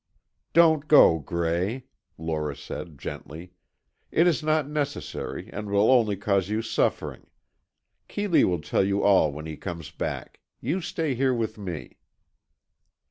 "Don't go, Gray," Lora said, gently. "It is not necessary and will only cause you suffering. Keeley will tell you all when he comes back. You stay here with me."